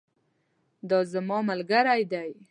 دا زما ملګری دی